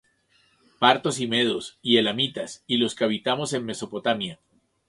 Partos y Medos, y Elamitas, y los que habitamos en Mesopotamia,